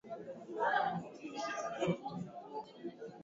kwa hivyo ilifaa kabisa kwamba